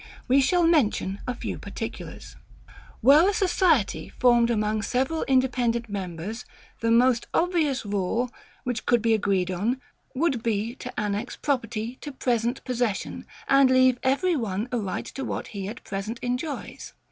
We shall mention a few particulars. Were a society formed among several independent members, the most obvious rule, which could be agreed on, would be to annex property to PRESENT possession, and leave every one a right to what he at present enjoys.